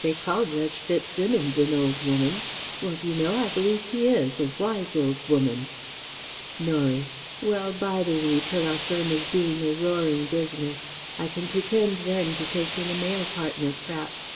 They call Judge FitzSimmons 'an old woman.' Well, d'you know, I believe he is ... a wise old woman." Norie: "Well: bide a wee, till our firm is doing a roaring business: I can pretend then to take in a male partner, p'raps.